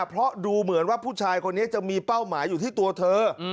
เพราะดูเหมือนว่าผู้ชายคนนี้จะมีเป้าหมายอยู่ที่ตัวเธอ